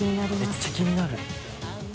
めっちゃ気になる。